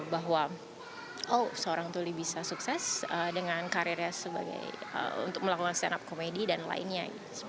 bahwa oh seorang tuli bisa sukses dengan karirnya untuk melakukan stand up komedi dan lainnya